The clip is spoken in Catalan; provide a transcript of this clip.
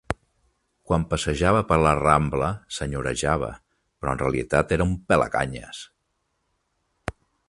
Quan passejava per la rambla senyorejava, però en realitat era un pelacanyes.